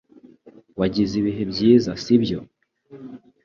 Wagize ibihe byiza sibyo